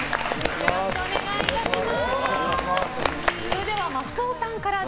よろしくお願いします。